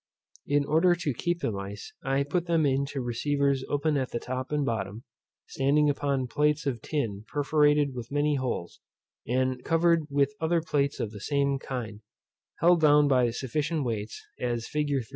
In order to keep the mice, I put them into receivers open at the top and bottom, standing upon plates of tin perforated with many holes, and covered with other plates of the same kind, held down by sufficient weights, as fig.